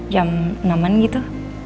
jam enam an gitu